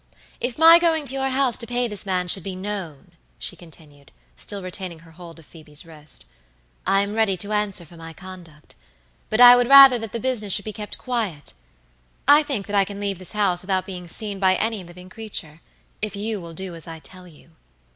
"If my going to your house to pay this man should be known," she continued, still retaining her hold of Phoebe's wrist, "I am ready to answer for my conduct; but I would rather that the business should be kept quiet. I think that I can leave this house without being seen by any living creature, if you will do as I tell you."